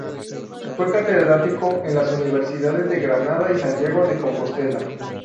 Fue catedrático en las universidades de Granada y Santiago de Compostela.